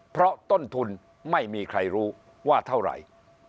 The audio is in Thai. เพราะต้นทุนไม่มีใครรู้ว่าเท่าไหร่